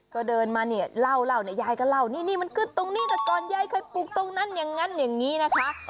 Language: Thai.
ก็เดินมาเนี่ยเล่าเนี่ยยายก็เล่านี่นี่มันคือตรงนี้แต่ก่อนยายเคยปลูกตรงนั้นอย่างนั้นอย่างนี้นะคะ